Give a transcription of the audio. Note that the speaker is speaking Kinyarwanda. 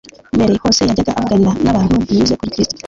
Mbere hose yajyaga avuganira n'abantu binyuze kuri Kristo,